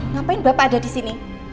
ngapain bapak ada disini